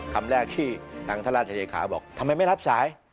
คำแรกที่ทางท่านราชเลขาบอกทำไมไม่รับสาย